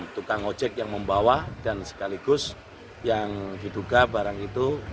tukang ojek yang membawa dan sekaligus yang diduga barang itu